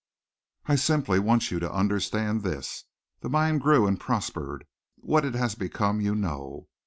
I simply want you to understand this. The mine grew and prospered. What it has become you know.